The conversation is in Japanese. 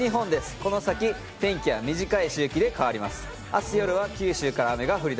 この先、天気は短い周期で変わります。